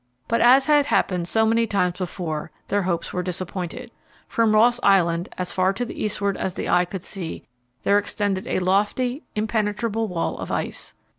But, as had happened so many times before, their hopes were disappointed. From Ross Island, as far to the eastward as the eye could see, there extended a lofty, impenetrable wall of ice.